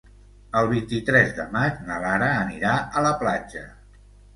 El vint-i-tres de maig na Lara anirà a la platja.